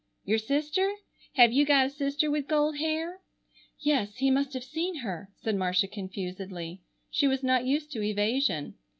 "Your sister? Have you got a sister with gold hair?" "Yes, he must have seen her," said Marcia confusedly. She was not used to evasion.